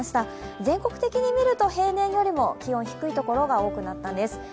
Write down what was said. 全国的に見ると平年よりも気温低い所が多くなったんです。